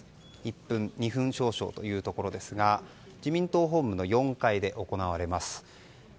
１分２分少々というところですが自民党本部の４階で行われます。